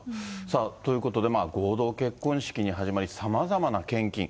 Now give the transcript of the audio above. ということで、合同結婚式に始まり、さまざまな献金。